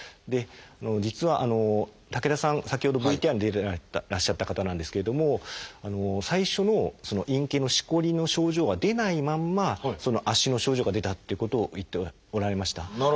実は武田さん先ほどＶＴＲに出てらっしゃった方なんですけれども最初の陰茎のしこりの症状は出ないまんま足の症状が出たっていうことを言っておられました。